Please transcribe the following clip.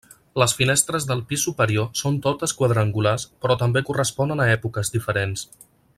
Les finestres del pis superior són totes quadrangulars però també corresponen a èpoques diferents.